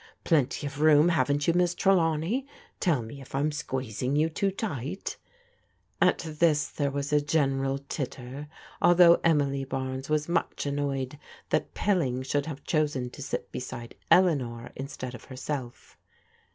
Plenty of room, haven't you. Miss Trelawney? Tell me if Fm squeezing you too tight'* At this there was a general titter, although Emily Barnes was much annoyed that Pilling should have chosen to sit beside Eleanor instead of herself.